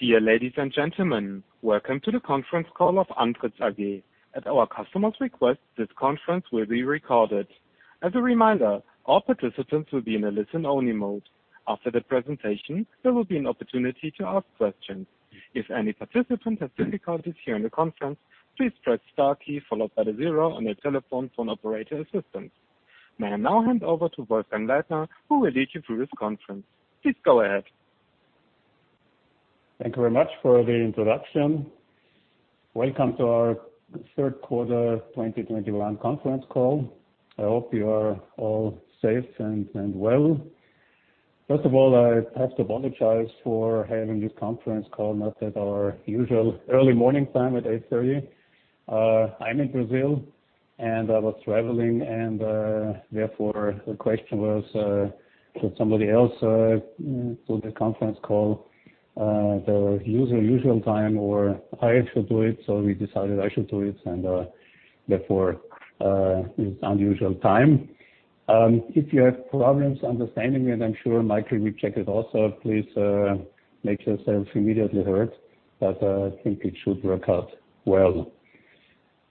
Dear ladies and gentlemen, welcome to the conference call of Andritz AG. At our customer's request, this conference will be recorded. As a reminder, all participants will be in a listen-only mode. After the presentation, there will be an opportunity to ask questions. If any participant has difficulties hearing the conference, please press star key followed by the zero on your telephone for operator assistance. May I now hand over to Wolfgang Leitner, who will lead you through this conference. Please go ahead. Thank you very much for the introduction. Welcome to our third quarter 2021 conference call. I hope you are all safe and well. First of all, I have to apologize for having this conference call not at our usual early morning time at 8:30AM. I'm in Brazil, and I was traveling and therefore the question was, should somebody else do the conference call the usual time or I should do it? We decided I should do it, and therefore this unusual time. If you have problems understanding me, and I'm sure Michael will check it also, please make yourself immediately heard, but I think it should work out well.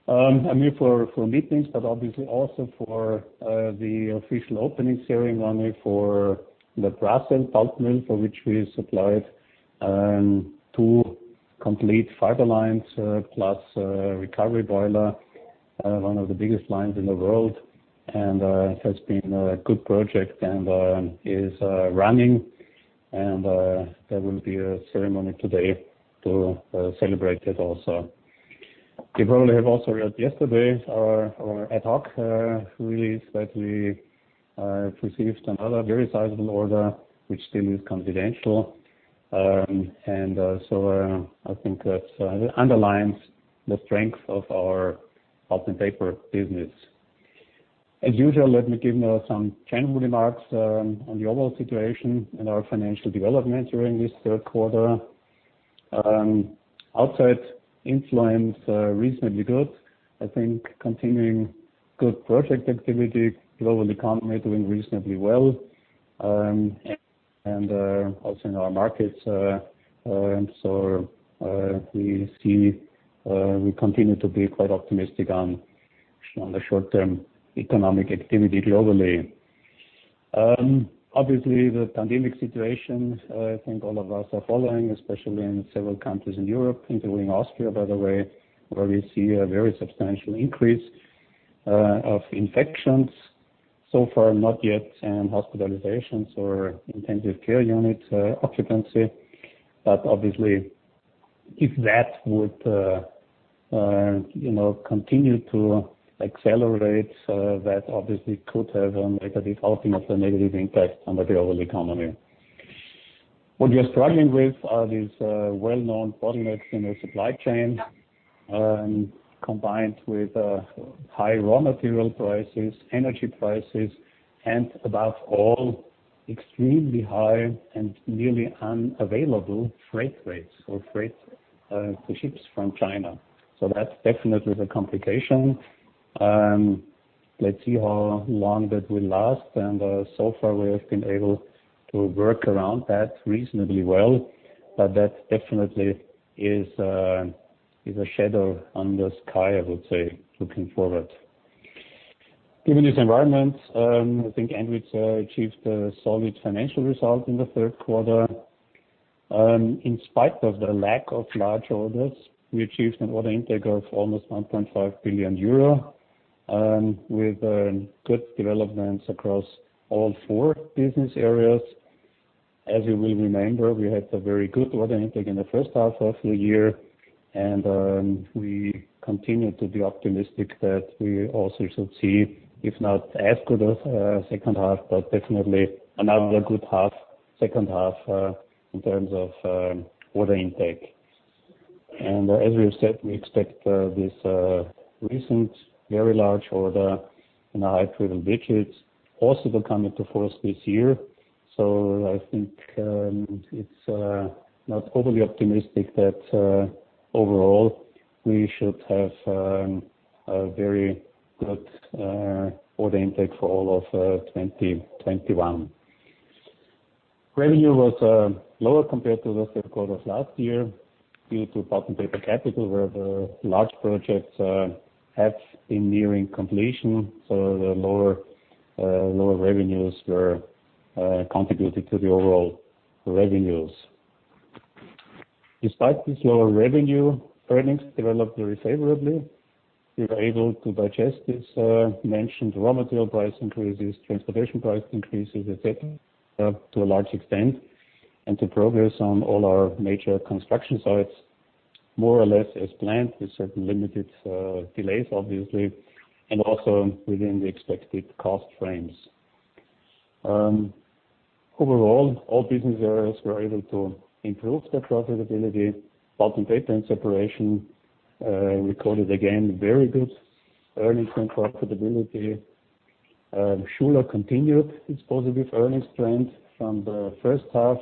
I'm here for meetings, but obviously also for the official opening ceremony for the Bracell pulp mill for which we supplied two complete fiber lines plus recovery boiler, one of the biggest lines in the world. It has been a good project and is running and there will be a ceremony today to celebrate it also. You probably have also read yesterday our ad hoc release that we received another very sizable order which still is confidential. I think that underlines the strength of our pulp and paper business. As usual, let me give now some general remarks on the overall situation and our financial development during this third quarter. Outside influence reasonably good. I think continuing good project activity, global economy doing reasonably well, and also in our markets. We continue to be quite optimistic on the short term economic activity globally. Obviously the pandemic situation, I think all of us are following, especially in several countries in Europe, including Austria, by the way, where we see a very substantial increase of infections. So far, not yet in hospitalizations or intensive care unit occupancy. Obviously, if that would you know continue to accelerate, that obviously could have, like I said, ultimately a negative impact on the global economy. What we are struggling with are these well-known bottlenecks in the supply chain, combined with high raw material prices, energy prices and above all, extremely high and nearly unavailable freight rates or freight for ships from China. That's definitely the complication. Let's see how long that will last. So far, we have been able to work around that reasonably well. That definitely is a shadow on the sky, I would say, looking forward. Given this environment, I think Andritz achieved a solid financial result in the third quarter. In spite of the lack of large orders, we achieved an order intake of almost 1.5 billion euro, with good developments across all four business areas. As you will remember, we had a very good order intake in the first half of the year, and we continue to be optimistic that we also should see if not as good as second half, but definitely another good half in terms of order intake. As we have said, we expect this recent very large order in the high three-digit millions also will come into force this year. I think it's not overly optimistic that overall we should have a very good order intake for all of 2021. Revenue was lower compared to the third quarter of last year due to Pulp & Paper Capital, where the large projects have been nearing completion. The lower revenues were contributing to the overall revenues. Despite this lower revenue, earnings developed very favorably. We were able to digest this mentioned raw material price increases, transportation price increases, et cetera, to a large extent, and to progress on all our major construction sites, more or less as planned, with certain limited delays obviously, and also within the expected cost frames. Overall, all business areas were able to improve their profitability. Pulp & Paper and Separation recorded again very good earnings and profitability. Schuler continued its positive earnings trend from the first half,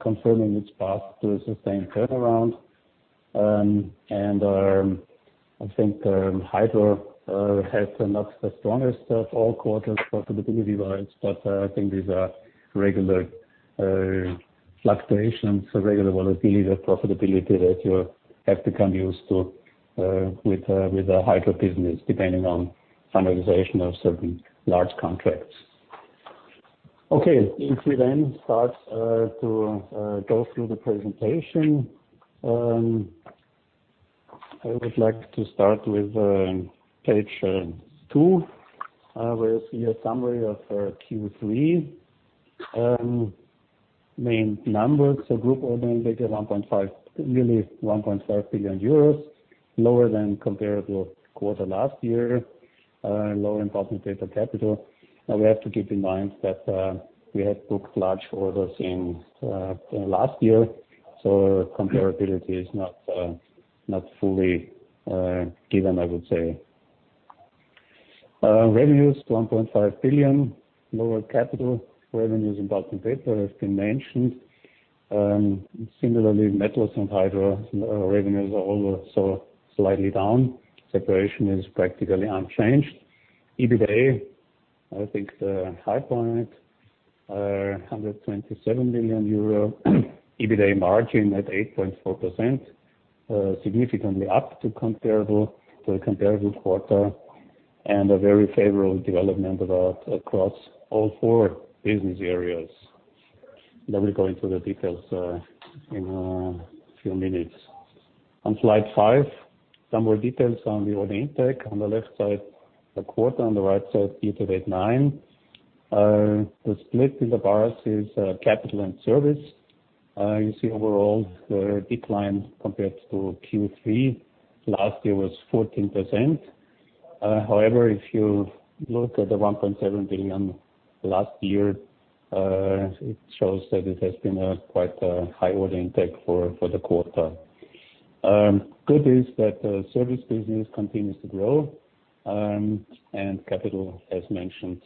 confirming its path to a sustained turnaround. I think Hydro has the not the strongest of all quarters profitability-wise, but I think these are regular fluctuations, so regular volatility, the profitability that you have become used to with the Hydro business, depending on finalization of certain large contracts. Okay. If we start to go through the presentation. I would like to start with page 2, where you see a summary of Q3 main numbers. Group order intake, they did nearly 1.5 billion euros, lower than comparable quarter last year, lower in Pulp & Paper capital. We have to keep in mind that we had booked large orders in last year, so comparability is not fully given, I would say. Revenues 1.5 billion, lower capital. Revenues in Pulp & Paper have been mentioned. Similarly, Metals and Hydro revenues are also slightly down. Separation is practically unchanged. EBITA, I think the highlight, 127 million euro. EBITA margin at 8.4%, significantly up to comparable, to the comparable quarter, and a very favorable development across all four business areas. We go into the details in a few minutes. On slide five, some more details on the order intake. On the left side, the quarter, on the right side, year-to-date nine. The split in the bars is capital and service. You see overall the decline compared to Q3 last year was 14%. However, if you look at the 1.7 billion last year, it shows that it has been a quite high order intake for the quarter. The good news is that service business continues to grow, and capital, as mentioned,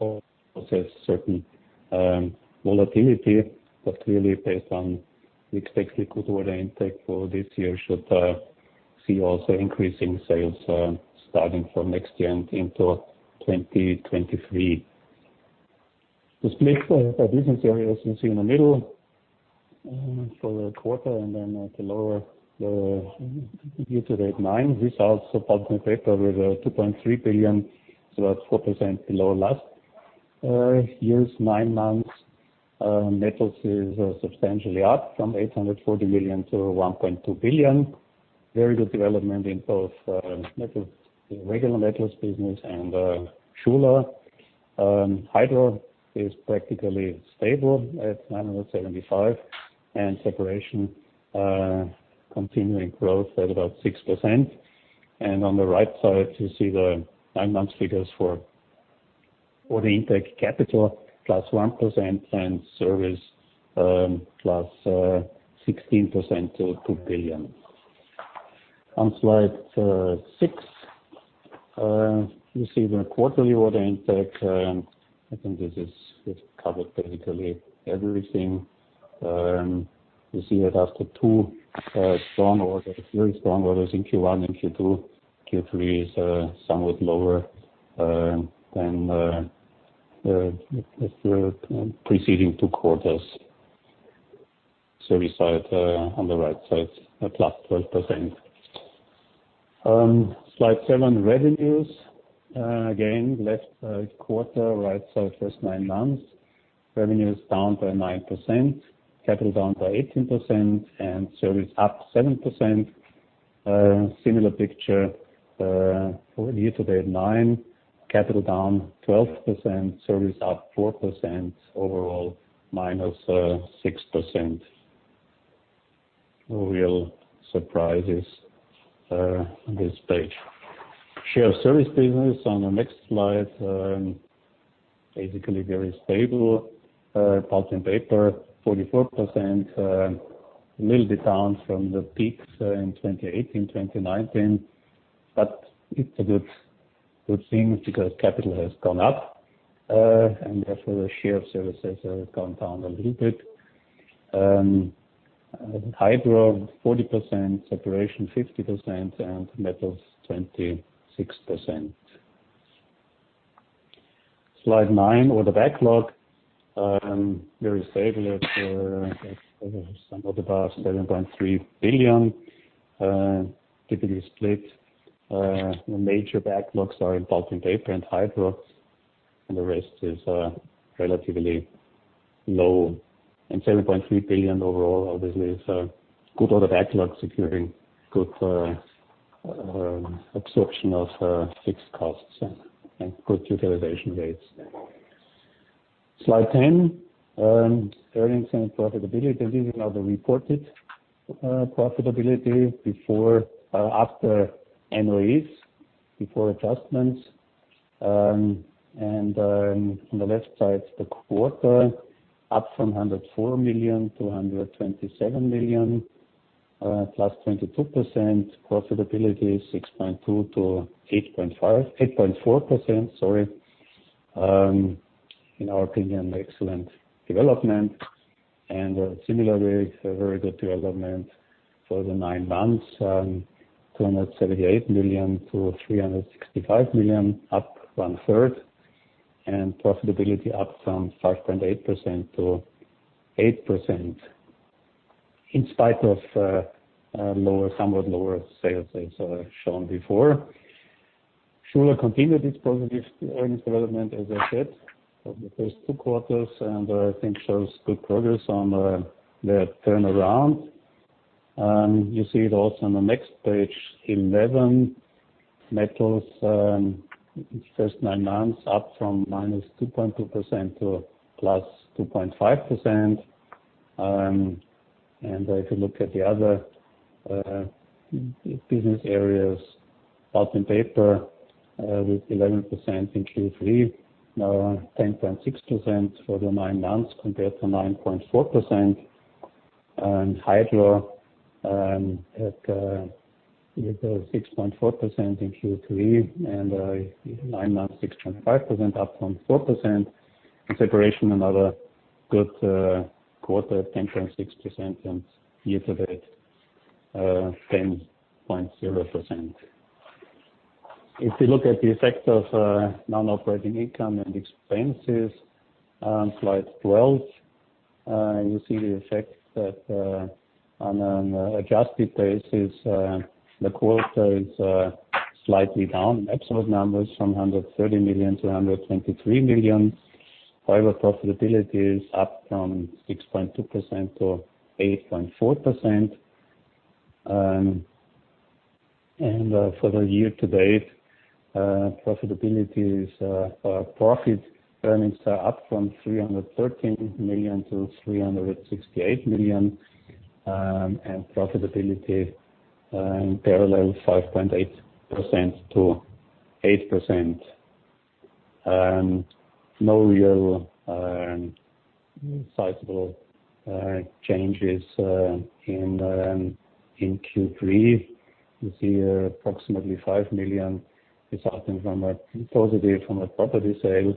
also has certain volatility, but really based on we expect good order intake for this year should see also increasing sales, starting from next year and into 2023. The split of the business areas you see in the middle, for the quarter and then at the lower, the year-to-date nine months. Results of Pulp & Paper with 2.3 billion, so that's 4% below last year's nine months. Metals is substantially up from 840 million to 1.2 billion. Very good development in both, Metals, regular Metals business and, Schuler. Hydro is practically stable at 975 million, and Separation, continuing growth at about 6%. On the right side, you see the nine months figures for order intake capital +1% and service +16% to 2 billion. On slide six, you see the quarterly order intake. I think this covers basically everything. You see that after two very strong orders in Q1 and Q2, Q3 is somewhat lower than the preceding two quarters. Service side on the right side, at +12%. Slide seven, revenues. Again, left quarter, right side, first nine months. Revenues down by 9%, capital down by 18%, and service up 7%. Similar picture for year-to-date nine. Capital down 12%, service up 4%, overall minus 6%. No real surprises on this page. Share of service business on the next slide, basically very stable. Pulp & Paper, 44%. A little bit down from the peaks in 2018, 2019, but it's a good thing because capital has gone up, and therefore the share of services have gone down a little bit. Hydro 40%, Separation 50%, and Metals 26%. Slide nine, order backlog, very stable at sum of about 7.3 billion. Typically split, major backlogs are in Pulp & Paper and Hydro, and the rest is relatively low. Seven point three billion overall obviously is a good order backlog securing good absorption of fixed costs and good utilization rates. Slide 10, earnings and profitability. This is now the reported profitability after NOEs, before adjustments. On the left side, the quarter up from 104 million to 127 million, +22%. Profitability 6.2%-8.4%, sorry. In our opinion, excellent development and similarly a very good development for the nine months, 278 million to 365 million, up one-third, and profitability up from 5.8% to 8% in spite of a lower, somewhat lower sales as I shown before. Schuler continued its positive earnings development, as I said, for the first two quarters, and I think shows good progress on their turnaround. You see it also on the next page, 11. Metals, first nine months up from -2.2% to +2.5%. If you look at the other business areas, Pulp & Paper with 11% in Q3, now 10.6% for the nine months compared to 9.4%. Hydro at 6.4% in Q3 and nine months 6.5% up from 4%. In Separation, another good quarter, 10.6%, and year to date 10.0%. If you look at the effect of non-operating income and expenses, slide 12, you see the effect that on an adjusted basis the quarter is slightly down in absolute numbers from 130 million to 123 million. However, profitability is up from 6.2% to 8.4%. For the year to date, profitability is, EBITDA are up from 313 million to 368 million, and profitability from 5.8% to 8%. No real sizable changes in Q3. You see approximately 5 million resulting from a positive property sale.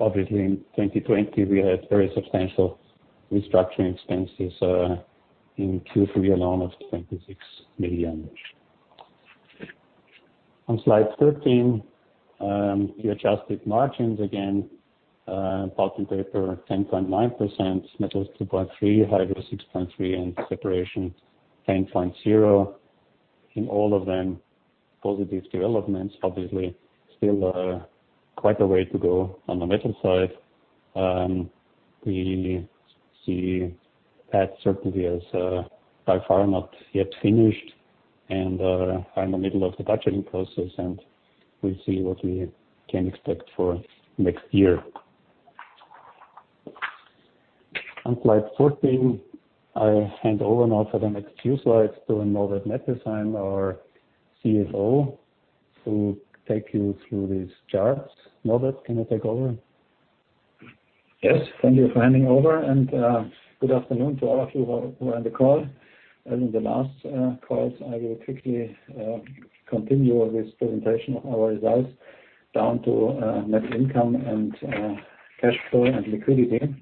Obviously in 2020 we had very substantial restructuring expenses in Q3 alone of 26 million. On slide 13, the adjusted margins again, Pulp & Paper 10.9%, Metals 2.3%, Hydro 6.3%, and Separation 10.0%. In all of them, positive developments, obviously still quite a way to go on the Metals side. We see that certainly as by far not yet finished and are in the middle of the budgeting process, and we'll see what we can expect for next year. On slide 14, I hand over now for the next few slides to Norbert Nettesheim, our CFO, to take you through these charts. Norbert, can you take over? Yes, thank you for handing over and good afternoon to all of you who are on the call. As in the last calls, I will quickly continue with presentation of our results down to net income and cash flow and liquidity,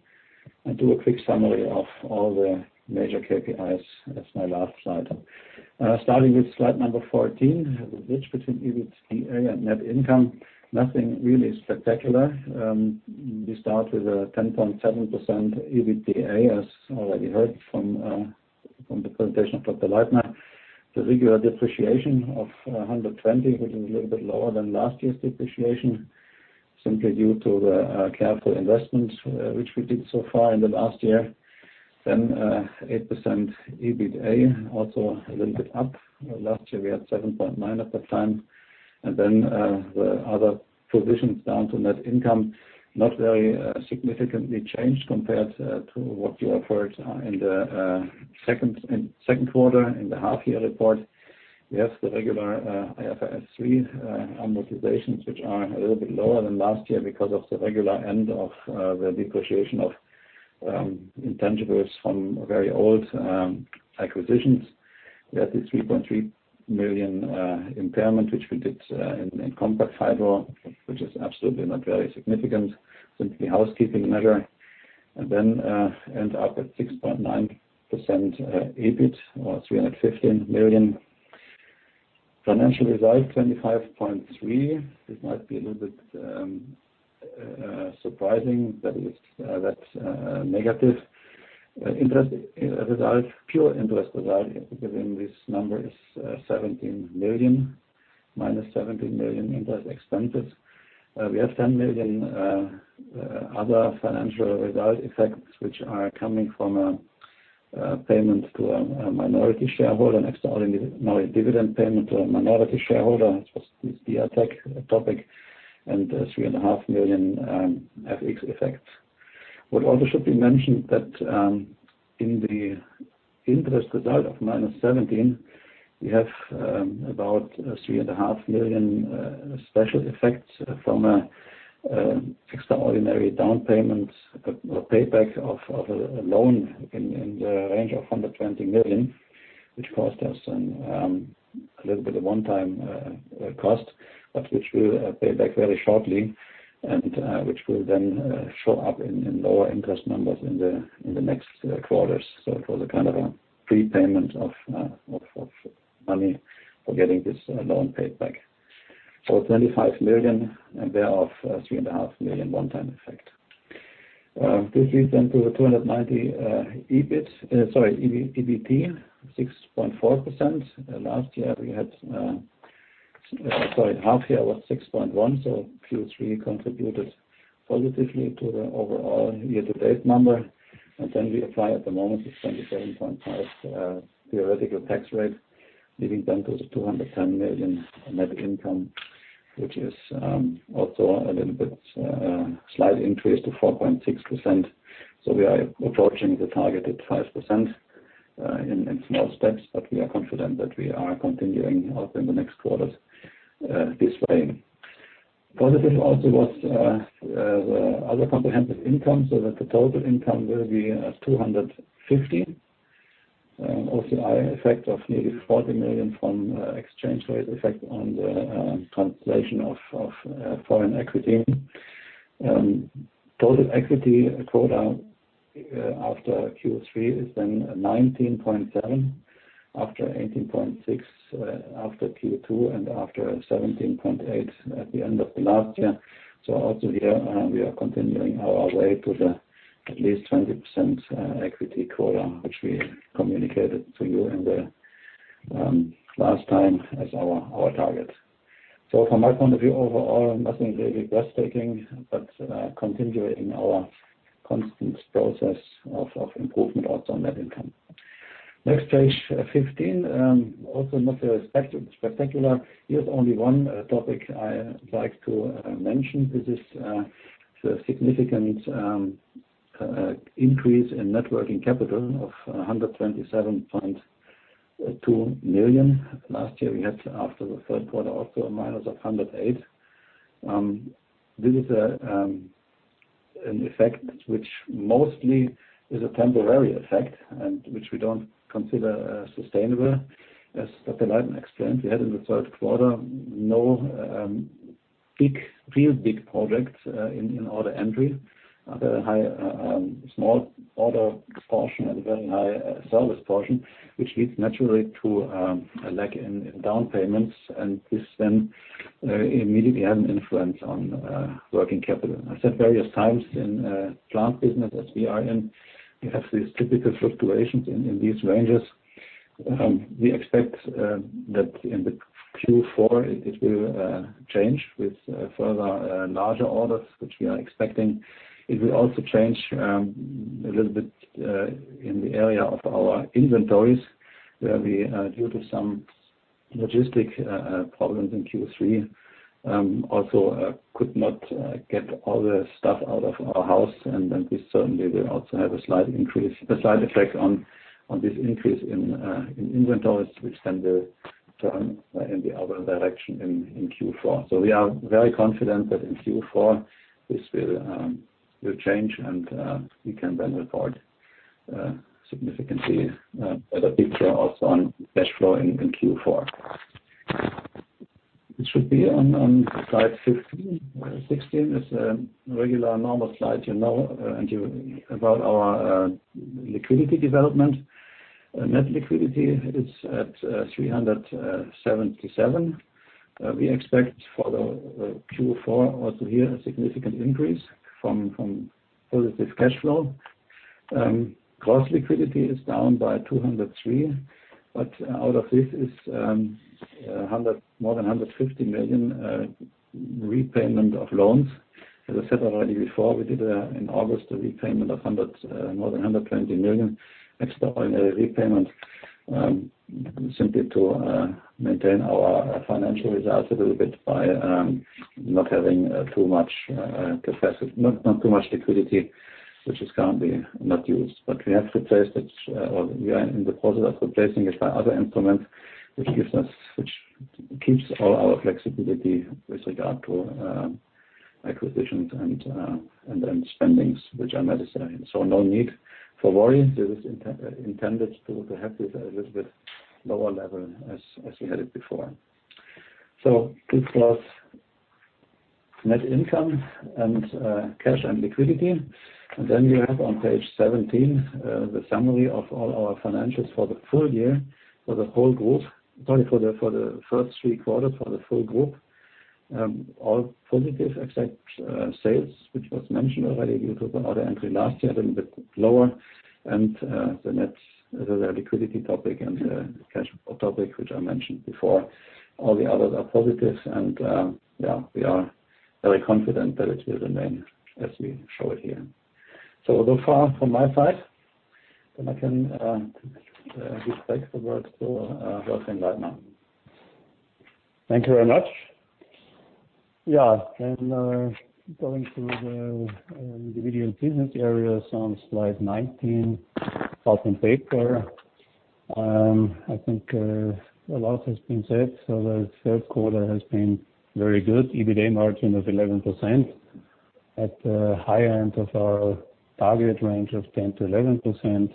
and do a quick summary of all the major KPIs as my last slide. Starting with slide number 14, the bridge between EBITDA and net income, nothing really spectacular. We start with a 10.7% EBITDA, as already heard from the presentation of Dr. Leitner. The regular depreciation of 120, which is a little bit lower than last year's depreciation, simply due to the capital investments which we did so far in the last year. Then, 8% EBITA, also a little bit up. Last year we had 7.9 at the time. Then, the other provisions down to net income, not very significantly changed compared to what you have heard in the second quarter in the half year report. We have the regular IFRS3 amortizations, which are a little bit lower than last year because of the regular end of the depreciation of intangibles from very old acquisitions. We have the 3.3 million impairment, which we did in Compact Hydro, which is absolutely not very significant, simply housekeeping measure. Then, end up at 6.9% EBIT, or 315 million. Financial result, -25.3 million. This might be a little bit surprising that that's negative. Pure interest result within this number is 17 million minus 17 million interest expenses. We have 10 million other financial result effects which are coming from a payment to a minority shareholder, an extraordinary minority dividend payment to a minority shareholder. This was the iTech topic, and 3.5 million FX effects. It also should be mentioned that in the interest result of -17 million, we have about 3.5 million special effects from extraordinary down payments or payback of a loan in the range of 120 million, which cost us a little bit of one-time cost, but which will pay back very shortly and which will then show up in lower interest numbers in the next quarters. It was a kind of a prepayment of money for getting this loan paid back. Twenty-five million, and thereof 3.5 million one-time effect. This leads to the 290 EBT, 6.4%. Last year we had half-year was 6.1, so Q3 contributed positively to the overall year-to-date number. Then we apply at the moment the 27.5 theoretical tax rate, leading then to the 210 million net income, which is also a little bit slight increase to 4.6%. We are approaching the target at 5%, in small steps, but we are confident that we are continuing out in the next quarters this way. Positive also was the other comprehensive income, that the total income will be at 250. Also an effect of nearly 40 million from exchange rate effect on the translation of foreign equity. Total equity quota after Q3 is then 19.7%, after 18.6% after Q2, and after 17.8% at the end of the last year. Also here, we are continuing our way to the at least 20% equity quota, which we communicated to you in the last time as our target. From my point of view, overall, nothing really breathtaking, but continuing our constant process of improvement also on net income. Next page, 15, also not very spectacular. Here's only one topic I like to mention. This is the significant increase in net working capital of 127.2 million. Last year we had, after the third quarter, also a minus of 108 million. This is an effect which mostly is a temporary effect and which we don't consider sustainable. As Dr. Leitner explained, we had in the third quarter no real big projects in order entry. Otherwise, a high small order portion and a very high service portion, which leads naturally to a lack in down payments, and this then immediately had an influence on working capital. I said various times, in plant business as we are in, you have these typical fluctuations in these ranges. We expect that in the Q4 it will change with further larger orders which we are expecting. It will also change a little bit in the area of our inventories, where we due to some logistics problems in Q3 also could not get all the stuff out of our house and then we certainly will also have a slight increase, a slight effect on this increase in inventories which then will turn in the other direction in Q4. We are very confident that in Q4 this will change and we can then report significantly a better picture also on cash flow in Q4. It should be on slide 15. 16 is a regular normal slide, you know, and about our liquidity development. Net liquidity is at 377. We expect for the Q4 also here a significant increase from positive cash flow. Gross liquidity is down by 203 million, but out of this is more than 150 million repayment of loans. As I said already before, we did in August a repayment of more than 120 million extraordinary repayment simply to maintain our financial results a little bit by not having too much liquidity, which is currently not used. We have replaced it or we are in the process of replacing it by other instruments which keeps all our flexibility with regard to acquisitions and then spendings which are necessary. No need for worry. This is intended to have this a little bit lower level as we had it before. This was net income and cash and liquidity. Then you have on page 17 the summary of all our financials for the full year for the whole group. Sorry, for the first three quarters for the full group. All positive except sales which was mentioned already due to the order entry last year, a little bit lower. The net liquidity topic and the cash flow topic which I mentioned before. All the others are positives and yeah, we are very confident that it will remain as we show it here. So far from my side, then I can give back the word to Wolfgang Leitner. Thank you very much. Yeah. Going through the individual business areas on slide 19, Pulp & Paper. I think a lot has been said. The third quarter has been very good. EBITA margin of 11%. At the high end of our target range of 10%-11%,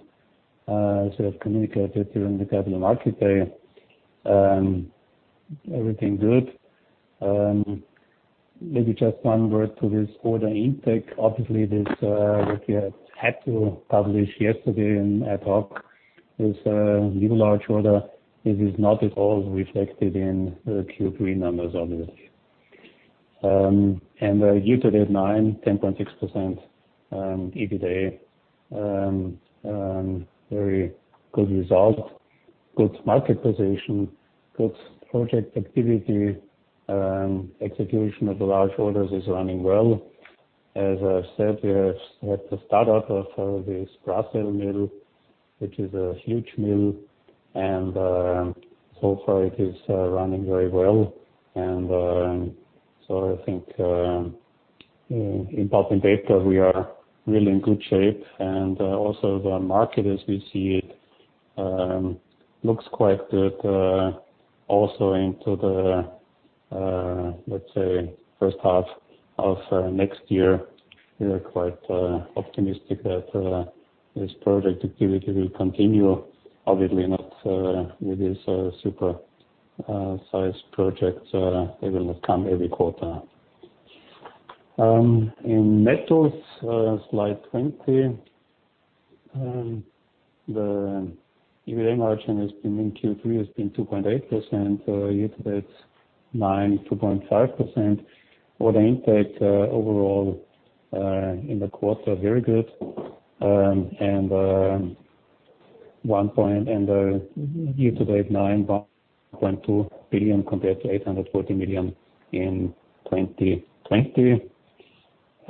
as we have communicated during the Capital Markets Day. Everything good. Maybe just one word to this order intake. Obviously, what we have had to publish yesterday in ad hoc is a new large order. It is not at all reflected in the Q3 numbers, obviously. Year-to-date 9, 10.6% EBITDA. Very good result, good market position, good project activity. Execution of the large orders is running well. As I said, we have had the startup of this Brazil mill, which is a huge mill, and so far it is running very well. I think in Paper, we are really in good shape. The market as we see it looks quite good also into the let's say first half of next year. We are quite optimistic that this project activity will continue. Obviously not with these super sized projects, they will not come every quarter. In Metals, slide 20, the EBITDA margin in Q3 has been 2.8%, year-to-date 9, 2.5%. Order intake overall in the quarter very good. And 1.0 and year-to-date 9.2 billion compared to 840 million in 2020.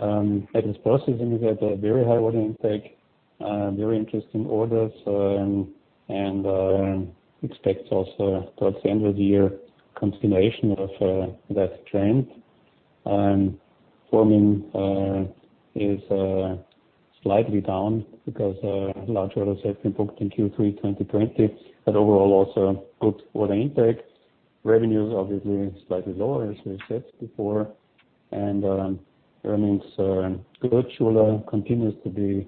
In Metals Processing, we had a very high order intake, very interesting orders, and expect also towards the end of the year continuation of that trend. Forming is slightly down because large orders have been booked in Q3 2020, but overall also good order intake. Revenues obviously slightly lower, as we said before. Earnings good. Schuler continues to be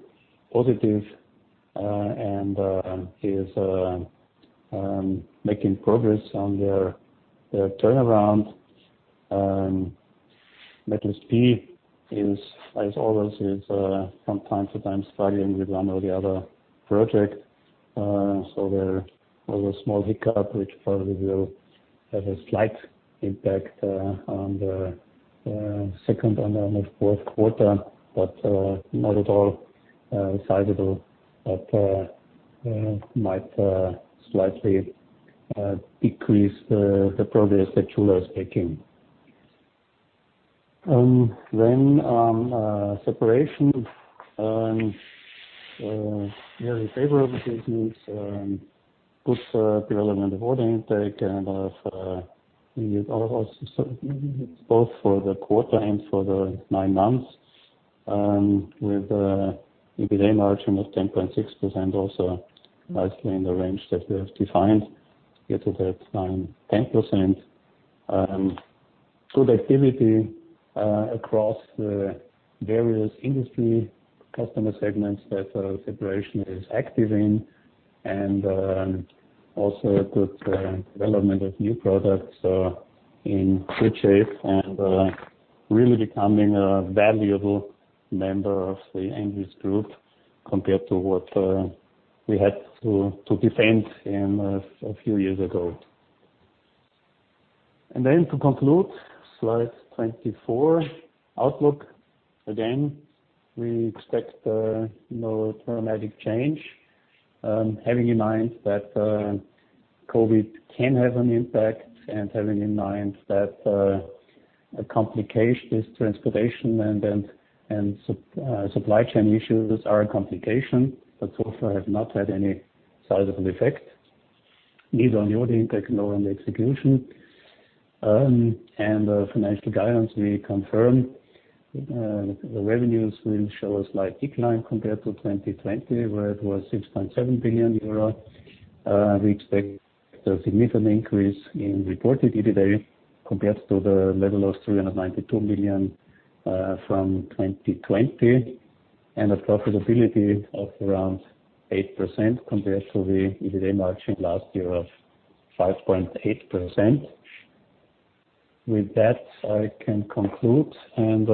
positive and is making progress on their turnaround. Metals P is, as always, from time to time struggling with one or the other project. There was a small hiccup, which probably will have a slight impact on the second and on the fourth quarter, but not at all sizable. Might slightly decrease the progress that Schuler is making. Separation very favorable business, good relevant order intake. We are also both for the quarter and for the nine months with an EBITDA margin of 10.6%, also nicely in the range that we have defined. Year-to-date, 9-10%. Good activity across the various industry customer segments that Separation is active in. Also good development of new products in good shape and really becoming a valuable member of the AMAG Group compared to what we had to defend in a few years ago. To conclude, slide 24, outlook. Again, we expect no dramatic change, having in mind that COVID can have an impact and having in mind that a complication is transportation and supply chain issues are a complication, but so far have not had any sizable effect, neither on the order intake nor on the execution. Financial guidance, we confirm, the revenues will show a slight decline compared to 2020, where it was 6.7 billion euro. We expect a significant increase in reported EBITDA compared to the level of 392 million from 2020, and a profitability of around 8% compared to the EBITDA margin last year of 5.8%. With that, I can conclude and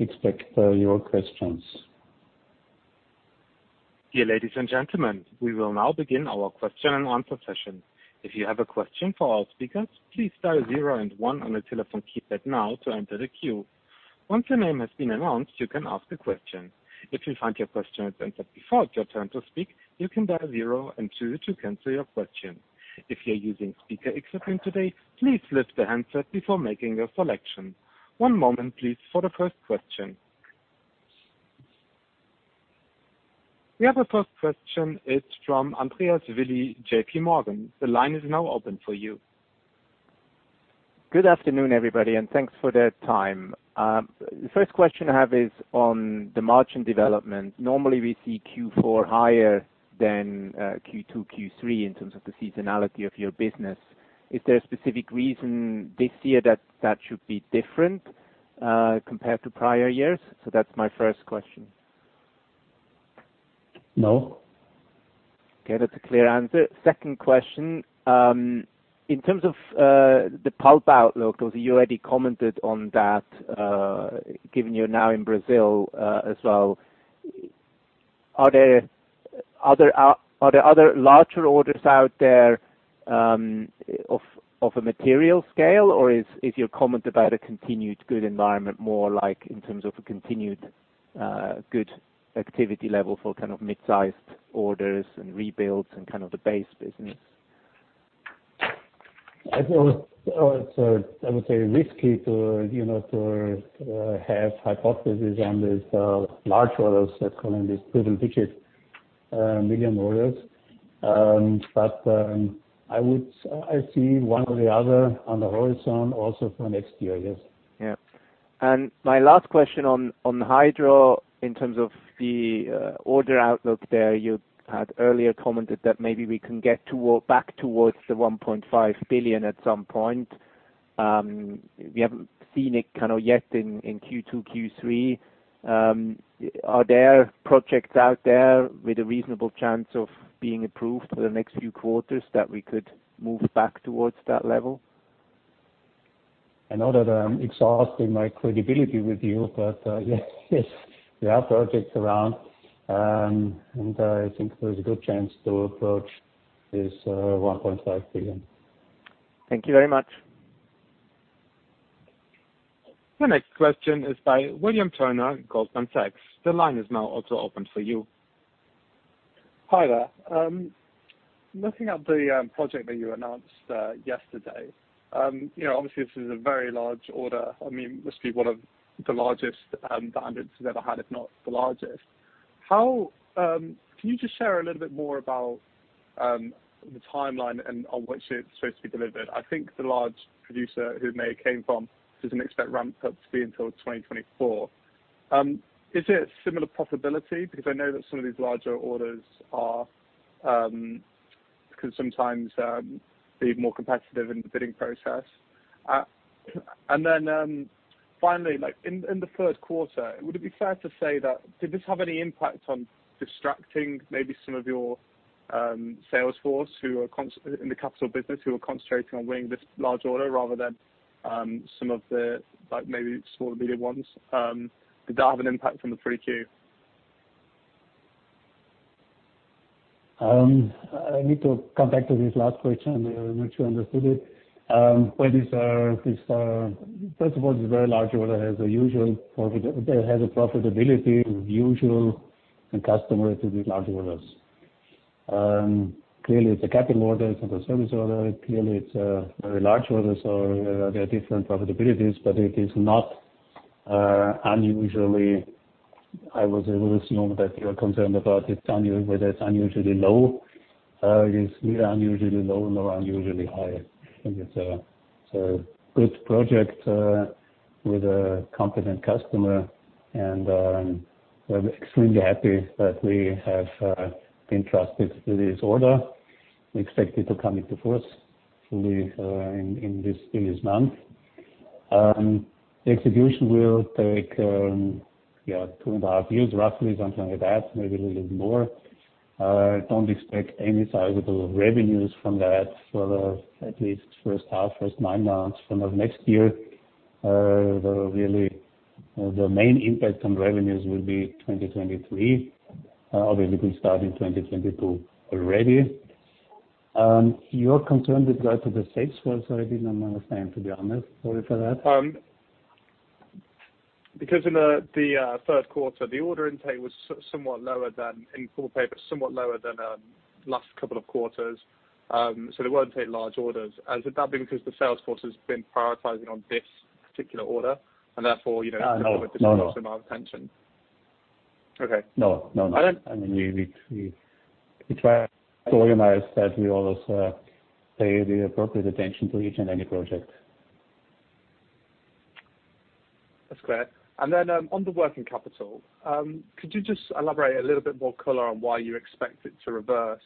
expect your questions. Dear ladies and gentlemen, we will now begin our question and answer session. If you have a question for our speakers, please dial zero and one on your telephone keypad now to enter the queue. Once your name has been announced, you can ask a question. If you find your question has been asked before it's your turn to speak, you can dial zero and two to cancel your question. If you're using speakerphone today, please lift the handset before making your selection. One moment please for the first question. We have the first question. It's from Andreas Willi, JPMorgan. The line is now open for you. Good afternoon, everybody, and thanks for the time. The first question I have is on the margin development. Normally, we see Q4 higher than Q2, Q3 in terms of the seasonality of your business. Is there a specific reason this year that should be different, compared to prior years? That's my first question. No. Okay. That's a clear answer. Second question. In terms of the pulp outlook, 'cause you already commented on that, given you're now in Brazil as well. Are there other larger orders out there of a material scale, or is your comment about a continued good environment more like in terms of a continued good activity level for kind of mid-sized orders and rebuilds and kind of the base business? I think it's, I would say, risky to, you know, to have hypothesis on this large orders that come in these double-digit million orders. I see one or the other on the horizon also for next year, yes. Yeah. My last question on Hydro in terms of the order outlook there. You had earlier commented that maybe we can get back towards 1.5 billion at some point. We haven't seen it kind of yet in Q2, Q3. Are there projects out there with a reasonable chance of being approved for the next few quarters that we could move back towards that level? I know that I'm exhausting my credibility with you, but yes, there are projects around. I think there's a good chance to approach this 1.5 billion. Thank you very much. The next question is by William Turner, Goldman Sachs. The line is now also open for you. Hi there. Looking at the project that you announced yesterday. You know, obviously this is a very large order. I mean, must be one of the largest Andritz has ever had, if not the largest. How can you just share a little bit more about the timeline and on which it's supposed to be delivered? I think the large producer from whom it came doesn't expect ramp up to be until 2024. Is it a similar profitability? Because I know that some of these larger orders can sometimes be more competitive in the bidding process. Finally, in the first quarter, would it be fair to say that did this have any impact on distracting maybe some of your sales force who are concentrating on winning this large order rather than some of the maybe small to medium ones? Did that have an impact on the 3Q? I need to come back to this last question. I'm not sure I understood it. First of all, this very large order has a usual profit. It has a profitability usual and customary to these large orders. Clearly, it's a capital order. It's not a service order. Clearly, it's a very large order, so there are different profitabilities, but it is not unusually. I would assume that you are concerned about whether it's unusually low. It's neither unusually low nor unusually high. I think it's a good project with a competent customer. We're extremely happy that we have been trusted with this order. We expect it to come into force fully in this month. The execution will take two and a half years, roughly, maybe a little bit more. Don't expect any sizable revenues from that for the at least first half, first nine months from the next year. The main impact on revenues will be 2023. Obviously, we start in 2022 already. Your concern relate to the sales force? I did not understand, to be honest. Sorry for that. Because in the third quarter, the order intake was somewhat lower than in Pulp & Paper, somewhat lower than last couple of quarters. They want to take large orders. Has that been because the sales force has been prioritizing on this particular order and therefore, you know- No. No, no. Also lost amount of attention. Okay. No, no. I don't- I mean, we try to organize that we always pay the appropriate attention to each and any project. That's clear. On the working capital, could you just elaborate a little bit more color on why you expect it to reverse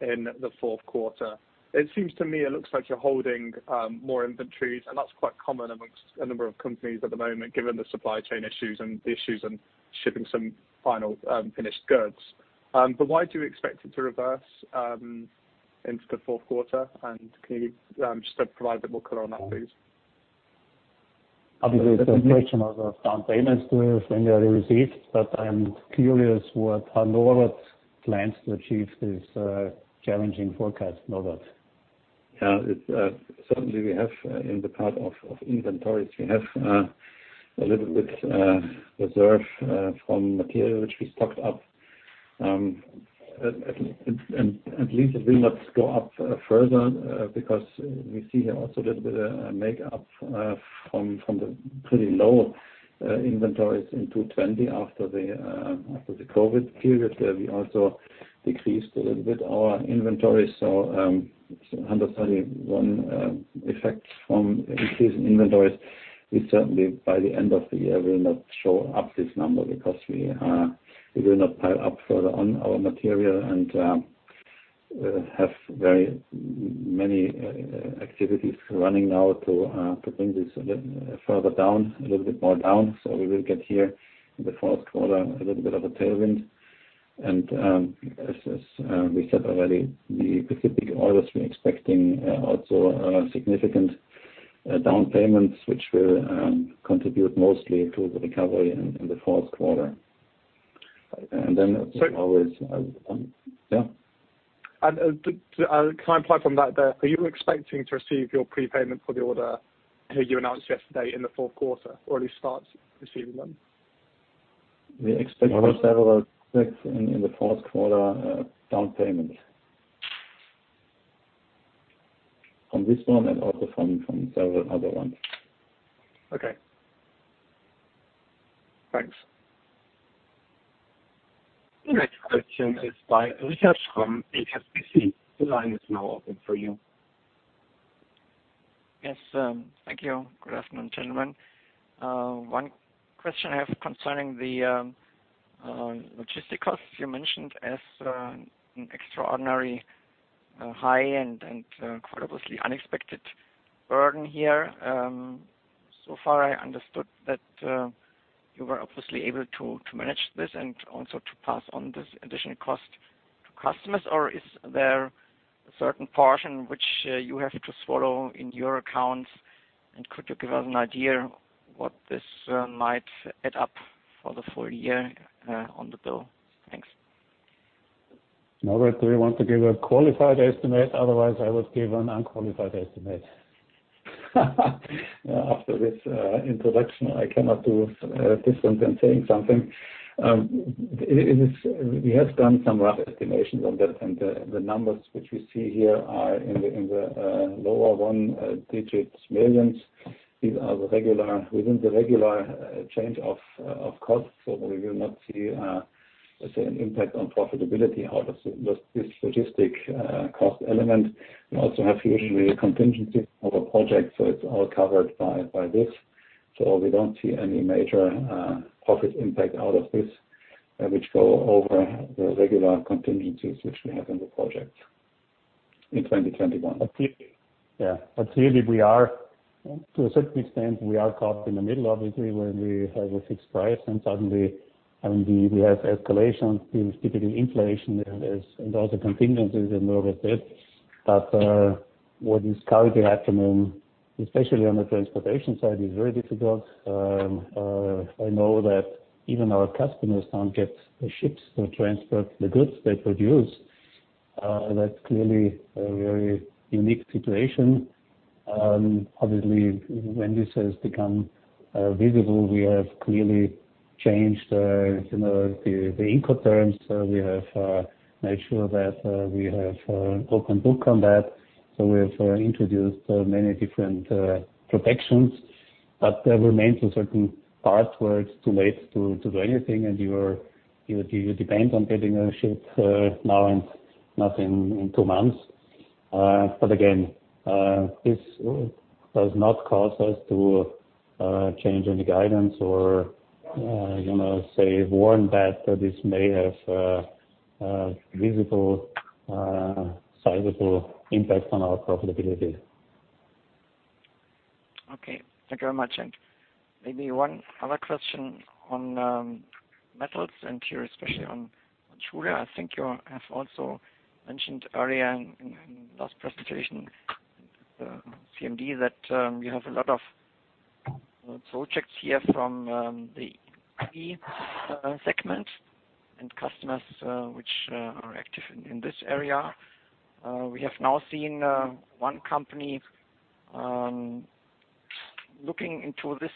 in the fourth quarter? It seems to me it looks like you're holding more inventories, and that's quite common among a number of companies at the moment, given the supply chain issues and the issues in shipping some final finished goods. Why do you expect it to reverse into the fourth quarter? Can you just provide a bit more color on that, please? Obviously, it's a question of down payments to when they are received, but I'm curious how Norbert plans to achieve this challenging forecast. Norbert? Yeah. It certainly we have in the part of inventories we have a little bit reserve from material which we stocked up at least it will not go up further because we see here also a little bit of makeup from the pretty low inventories in 2020 after the COVID period. We also decreased a little bit our inventory. 131 Effects from increasing inventories. We certainly, by the end of the year, will not show up this number because we will not pile up further on our material and we have very many activities running now to bring this a little bit more down. We will get here in the fourth quarter a little bit of a tailwind. As we said already, the specific orders we're expecting also significant down payments which will contribute mostly to the recovery in the fourth quarter. As always. Can I imply from that are you expecting to receive your prepayment for the order that you announced yesterday in the fourth quarter, or at least start receiving them? We expect several checks in the fourth quarter, down payment on this one and also from several other ones. Okay. Thanks. The next question is by Richard from HSBC. The line is now open for you. Yes, thank you. Good afternoon, gentlemen. One question I have concerning the logistic costs you mentioned as an extraordinary high and quite obviously unexpected burden here. So far I understood that you were obviously able to manage this and also to pass on this additional cost to customers. Or is there a certain portion which you have to swallow in your accounts? And could you give us an idea what this might add up for the full year on the bill? Thanks. Norbert, do you want to give a qualified estimate? Otherwise, I would give an unqualified estimate. After this introduction, I cannot do different than saying something. We have done some rough estimations on that, and the numbers which we see here are in the lower one-digit millions. These are within the regular change of costs. We will not see, say, an impact on profitability out of this logistics cost element. We also have usually a contingency of a project, so it's all covered by this. We don't see any major profit impact out of this, which go over the regular contingencies which we have in the project in 2021. Really we are, to a certain extent, caught in the middle, obviously, when we have a fixed price and suddenly, I mean, we have escalation, typically inflation, and also contingencies and all of it. What is currently happening, especially on the transportation side, is very difficult. I know that even our customers can't get the ships to transport the goods they produce. That's clearly a very unique situation. Obviously, when this has become visible, we have clearly changed, you know, the Incoterms. We have made sure that we have open book on that. We have introduced many different protections, but there remains a certain part where it's too late to do anything and you depend on getting a ship now and not in two months. But again, this does not cause us to change any guidance or, you know, say warn that this may have a visible sizable impact on our profitability. Okay. Thank you very much. Maybe one other question on Metals and here, especially on Schuler. I think you have also mentioned earlier in last presentation, the CMD that you have a lot of projects here from the EV segment and customers which are active in this area. We have now seen one company looking into this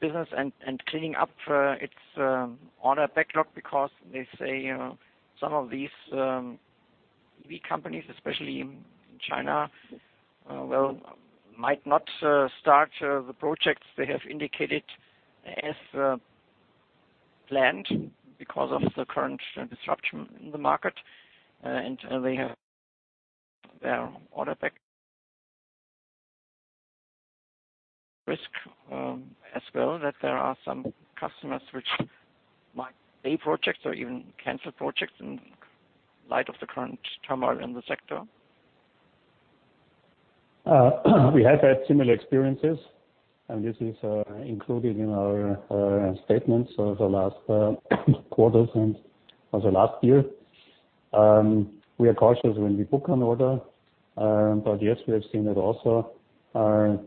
business and cleaning up its order backlog because they say, you know, some of these EV companies, especially in China, well, might not start the projects they have indicated as planned because of the current disruption in the market. And they have their order backlog risk as well, that there are some customers which might delay projects or even cancel projects in light of the current turmoil in the sector. We have had similar experiences, and this is included in our statements over the last quarters and also last year. We are cautious when we book an order. Yes, we have seen it also.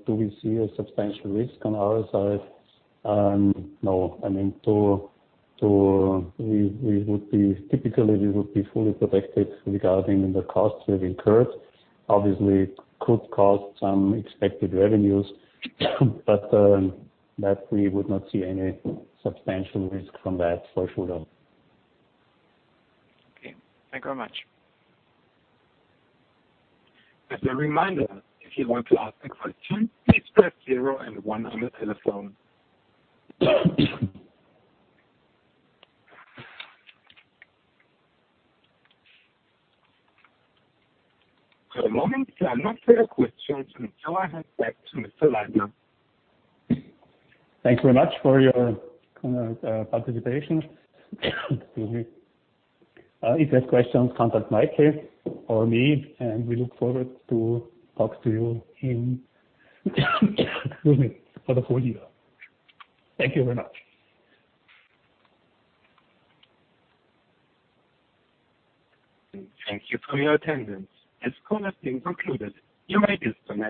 Do we see a substantial risk on our side? No. I mean, we would be typically fully protected regarding the costs we've incurred. Obviously, it could cause some expected revenues, but that we would not see any substantial risk from that for Schuler. Okay. Thank you very much. As a reminder, if you want to ask a question, please press zero and one on your telephone. For the moment, there are no further questions, and so I hand back to Mr. Leitner. Thank you very much for your participation. Excuse me. If you have questions, contact Michael or me, and we look forward to talk to you in, excuse me, for the full year. Thank you very much. Thank you for your attendance. This call has been concluded. You may disconnect.